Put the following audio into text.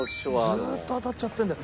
ずっと当たっちゃってるんだよ。